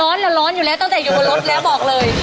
ร้อนแล้วร้อนอยู่แล้วตั้งแต่อยู่บนรถแล้วบอกเลย